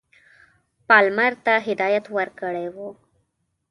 پالمر ته هدایت ورکړی وو.